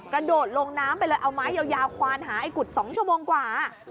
กระโดดลงน้ำไปเลยเอาไม้ยาวควานหาไอ้กุฎ๒ชั่วโมงกว่า